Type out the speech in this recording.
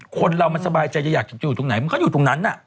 คนเรามันสบายใจจะอยากจะอยู่ตรงไหนมันก็อยู่ตรงนั้น